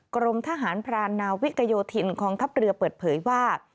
กรมทหารพรานนาวิกโยธินกองทัพเรือเปิดเผยว่า